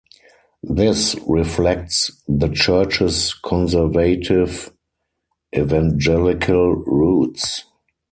This reflects the church's conservative Evangelical roots.